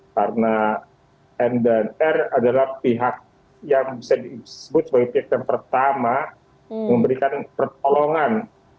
karena n dan r adalah pihak yang bisa disebut sebagai pihak yang pertama memberikan pertolongan